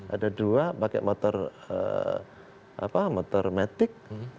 ada dua pakai motor metik